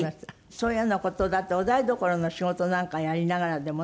そういうような事だとお台所の仕事なんかやりながらでもね。